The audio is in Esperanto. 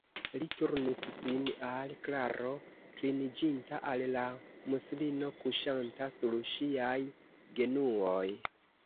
Li turnis sin al Klaro, kliniĝinta al la muslino kuŝanta sur ŝiaj genuoj.